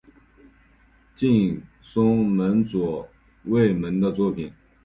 近松门左卫门的作品。